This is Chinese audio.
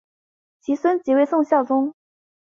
其孙即为宋孝宗。